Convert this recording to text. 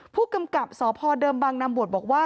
ผู้กำกับสพเดิมบางนำบวชบอกว่า